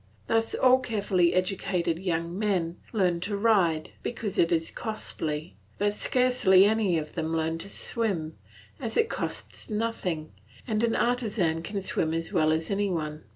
Thus all carefully educated young men learn to ride, because it is costly, but scarcely any of them learn to swim, as it costs nothing, and an artisan can swim as well as any one.